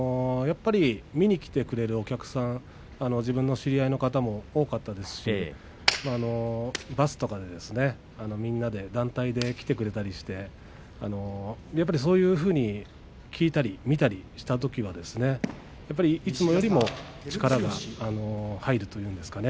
見に来てくれるお客さん、自分の知り合いの方も多かったですしバスとかね、みんなで団体で来てくれたりしてやっぱりそういうふうに聞いたり見たりしたときにはやっぱりいつもよりも力が入るというんでしょうかね